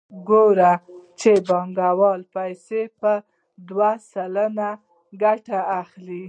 ګورو چې بانکوال پیسې په دوه سلنه ګټه اخلي